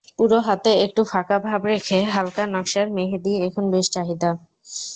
পুরো হাতে একটু ফাঁকা ভাব রেখে হালকা নকশার মেহেদির এখন বেশ চাহিদা।